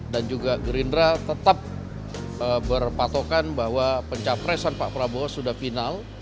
dan juga gerindra tetap berpatokan bahwa pencapresan pak prabowo sudah final